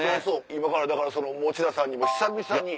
今からだから持田さんにも久々に。